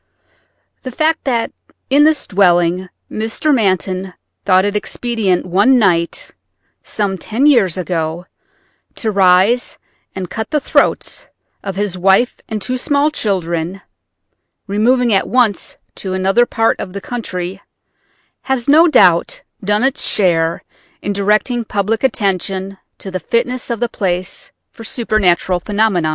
The fact that in this dwelling Mr. Manton thought it expedient one night some ten years ago to rise and cut the throats of his wife and two small children, removing at once to another part of the country, has no doubt done its share in directing public attention to the fitness of the place for supernatural phenomena.